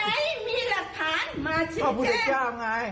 ตรงไหนมีหลักฐานมาชิดแจ้งพระพุทธเจ้าไง